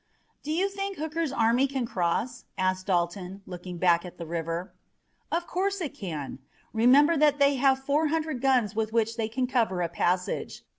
"Do you think Hooker's army can cross?" asked Dalton, looking at the black river. "Of course it can. Remember that they have four hundred guns with which they can cover a passage.